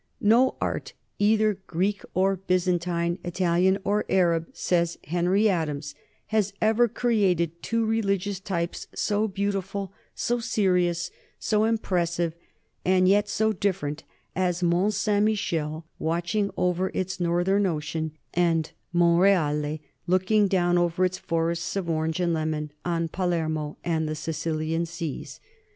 "No art either Greek or Byzantine, Italian, or Arab " says Henry Adams, 1 "has ever created two religious types so beautiful, so serious, so impressive, and yet so different, as Mont Saint Michel watching over its northern ocean, and Monreale, look ing down over its forests of orange and lemon, on Pa lermo and the Sicilian seas."